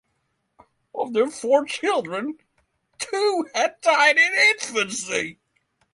Of their four children, two had died in infancy.